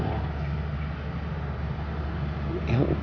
kamu akan selalu ada di hatiku